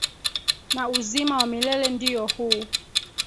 Na uzima wa milele ndio huu